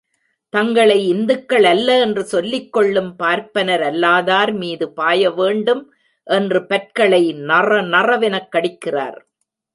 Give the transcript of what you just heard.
தங்களை இந்துக்கள் அல்ல என்று சொல்லிக் கொள்ளும் பார்ப்பனரல்லாதார் மீது பாய வேண்டும் என்று பற்களை நறநறவெனக் கடிக்கிறார்.